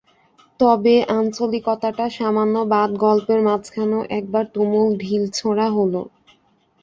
তবে আঞ্চলিকতাটা সামান্য বাদ গল্পের মাঝখানেও একবার তুমুল ঢিল ছোঁড়া হল।